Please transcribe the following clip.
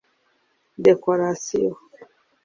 decoration